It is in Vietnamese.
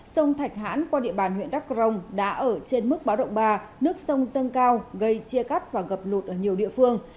sông thạch hãn qua địa bàn huyện đắk rồng đã ở trên mức báo động ba nước sông dâng cao gây chia cắt và ngập lụt ở nhiều địa phương